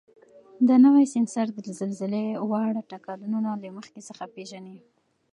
دا نوی سینسر د زلزلې واړه ټکانونه له مخکې څخه پېژني.